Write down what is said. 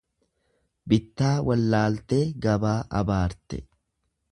Bittaa wallaaltee gabaa abaarte.